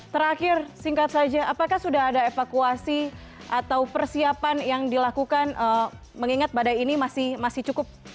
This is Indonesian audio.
terakhir singkat saja apakah sudah ada evakuasi atau persiapan yang dilakukan mengingat badai ini masih cukup